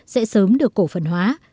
sẽ sớm được cổ phần hóa